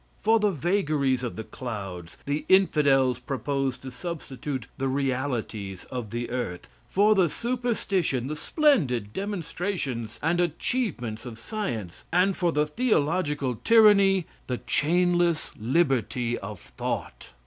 For the vagaries of the clouds, the infidels propose to substitute the realities of the earth; for superstition, the splendid demonstrations and achievements of science; and for the theological tyranny, the chainless liberty of thought.